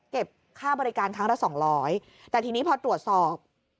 ค่าบริการครั้งละสองร้อยแต่ทีนี้พอตรวจสอบ